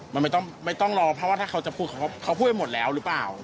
มันไม่ต้องรอเพราะว่าถ้าเขาจะพูดเขาพูดไปหมดแล้วหรือเปล่า